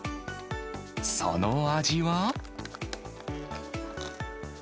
その味は？